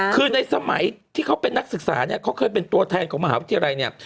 คือในสมัยที่เขาเป็นนักศึกษาเนี่ยเขาเคยเป็นตัวแทนของมหาวิทยาลัยเนี่ย